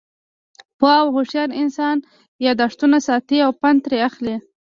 پوه او هوشیار انسان، یاداښتونه ساتي او پند ترې اخلي.